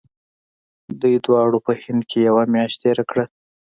دوی دواړو په هند کې یوه میاشت تېره کړه.